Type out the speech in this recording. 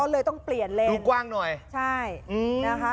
เลยต้องเปลี่ยนเลนดูกว้างหน่อยใช่อืมนะคะ